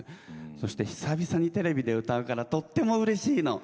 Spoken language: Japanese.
そして久々にテレビで歌うからとってもうれしいの。